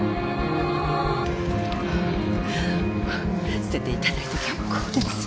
捨てていただいて結構です。